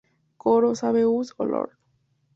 Coro: Save us, O Lord.